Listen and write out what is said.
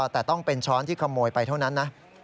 แต่ต้องเป็นช้อนที่ขโมยไปเท่านั้นนะ